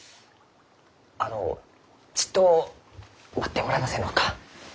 あのちっと待ってもらえませんろうか？